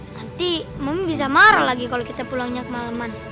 nanti mama bisa marah lagi kalau kita pulangnya kemaleman